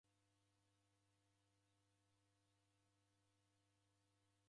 Polisi w'echasaka nyumba yapo.